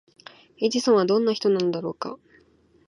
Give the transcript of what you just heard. エジソンはどんな人なのだろうか？